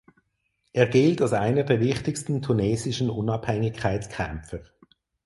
Er gilt als einer der wichtigsten tunesischen Unabhängigkeitskämpfer.